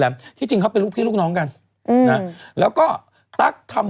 แต่ตั๊กก็โดนแขวะเกี่ยวกับเงินที่ไปบริจาค